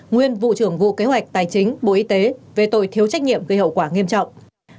nguyên vụ trưởng vụ kế hoạch tài chính bộ y tế về tội thiếu trách nhiệm gây hậu quả nghiêm trọng